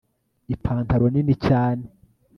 Ipantaro nini cyane